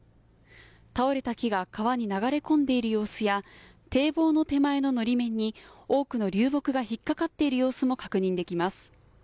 倒れた木が川に流れ込んでいる様子や堤防の手前ののり面に多くの流木が引っ掛かっている様子も確認できます。